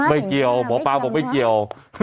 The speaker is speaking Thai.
ไม่เกี่ยวหมอปลาบอกไม่เกี่ยว